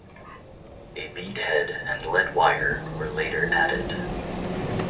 A bead head and lead wire were later added.